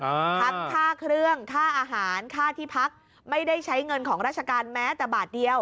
ทั้งค่าเครื่องค่าอาหารค่าที่พักไม่ได้ใช้เงินของราชการแม้แต่บาทเดียว